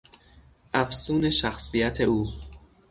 افسون شخصیت او